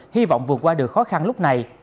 hy vọng vượt qua được khó khăn lúc này